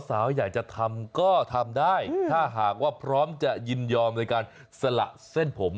สาวอยากจะทำก็ทำได้ถ้าหากว่าพร้อมจะยินยอมในการสละเส้นผม